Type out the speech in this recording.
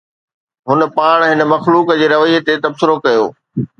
هن پاڻ هن مخلوق جي رويي تي تبصرو ڪيو